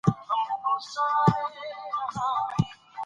ازادي راډیو د ورزش په اړه د پوهانو څېړنې تشریح کړې.